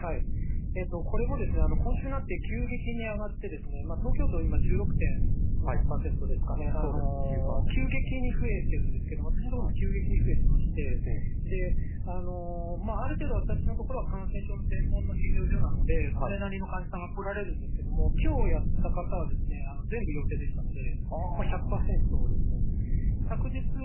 これも、今週になって急激に上がって、東京都、今１６．何％ですかね、急激に増えてるんですけれども、私の所も急激に増えてまして、ある程度、私のところは感染症の専門の診療所なんで、それなりの患者さんが来られるんですけれども、きょうやった方は、全部陽性でしたので、１００％ですね。